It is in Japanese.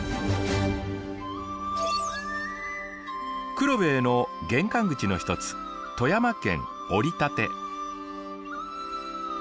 黒部への玄関口の一つ富山県折立。